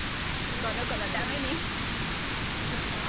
この子のために。